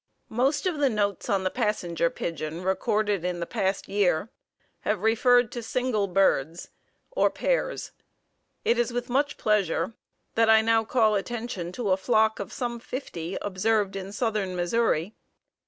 Most of the notes on the Passenger Pigeon recorded in the past year have referred to single birds or pairs. It is with much pleasure that I now call attention to a flock of some fifty, observed in southern Missouri.